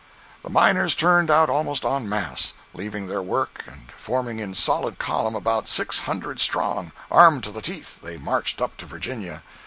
The miners turned out almost en masse, leaving their work and forming in solid column about six hundred strong, armed to the teeth, they marched up to Virginia.